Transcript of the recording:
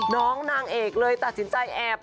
นางเอกเลยตัดสินใจแอบ